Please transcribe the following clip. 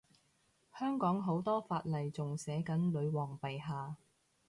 香港好多法例仲寫緊女皇陛下